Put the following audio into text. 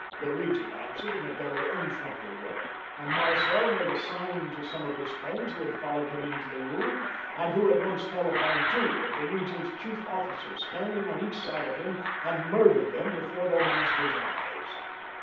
The regent answered in a very unfriendly way, and Marcel made a sign to some of his friends who had fol lowed him into the room, and who at once fell upon two of the regent's chief officers standing on each side of him, and murdered them before their master's eyes.